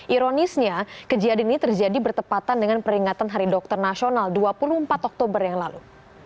ironisnya kejadian ini terjadi bertepatan dengan peringatan hari dokter nasional dua puluh empat oktober yang lalu